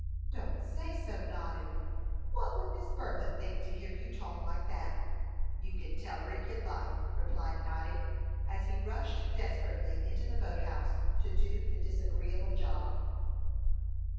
"Don't say so, Noddy. What would Miss Bertha think to hear you talk like that?" "You can tell her, if you like," replied Noddy, as he rushed desperately into the boat house to do the disagreeable job.